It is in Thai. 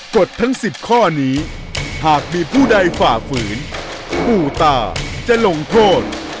กฎทั้ง๑๐ข้อนี้หากมีผู้ใดฝ่าฝืนปู่ตาจะลงโทษ